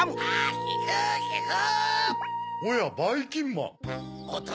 おやばいきんまん。